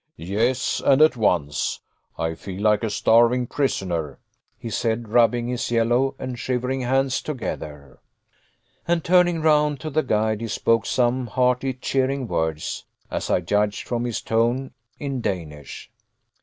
"Yes, and at once. I feel like a starving prisoner," he said, rubbing his yellow and shivering hands together. And, turning round to the guide, he spoke some hearty, cheering words, as I judged from his tone, in Danish.